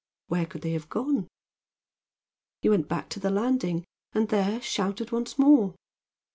Where could they have gone? He went back to the landing, and there shouted once more.